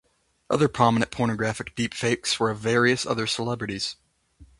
Other prominent pornographic deepfakes were of various other celebrities.